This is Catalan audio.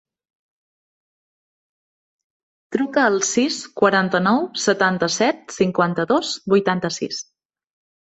Truca al sis, quaranta-nou, setanta-set, cinquanta-dos, vuitanta-sis.